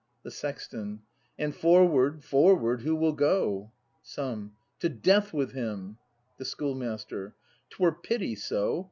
The Sexton. And forward, forward, who will go ? Some. To death with him! The Schoolmaster. 'Twere pity, so!